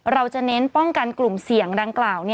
เราจะเน้นป้องกันกลุ่มเสี่ยงดังกล่าว